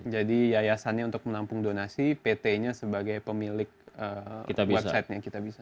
jadi yayasannya untuk menampung donasi pt nya sebagai pemilik worksitenya kitabisa